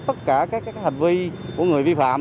tất cả các hành vi của người vi phạm